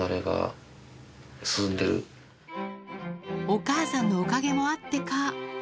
お母さんのおかげもあってか